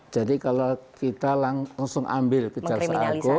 jadi kalau kita langsung ambil ke caksa agung